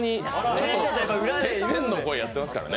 裏で天の声やってますからね。